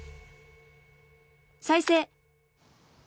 再生！